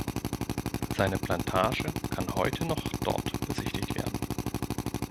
Seine Plantage kann heute noch dort besichtigt werden.